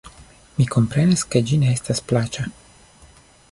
Mi komprenas, ke ĝi ne estas plaĉa.